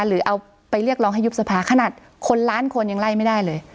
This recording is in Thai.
หรือเอาไปเรียกร้องให้ยุบสภาขนาดคนล้านคนยังไล่ไม่ได้เลย